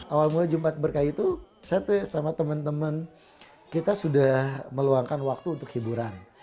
awal mula jumat berkah itu saya sama teman teman kita sudah meluangkan waktu untuk hiburan